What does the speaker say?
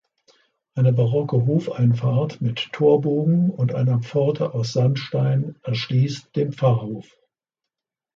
Eine barocke Hofeinfahrt mit Torbogen und einer Pforte aus Sandstein erschließt den Pfarrhof.